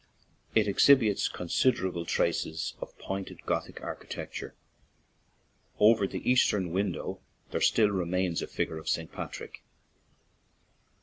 It exhibits considerable traces of pointed Gothic architecture. Over the eastern window there still remains a figure of St. Patrick.